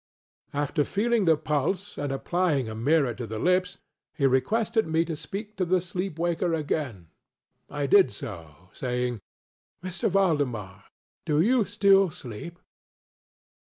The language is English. After feeling the pulse and applying a mirror to the lips, he requested me to speak to the sleep waker again. I did so, saying: ŌĆ£M. Valdemar, do you still sleep?